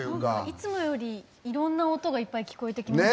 いつもよりいろんな音がいっぱい聞こえてきましたね。